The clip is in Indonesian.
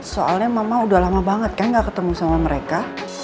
soalnya mama udah lama banget kan gak ketemu sama mereka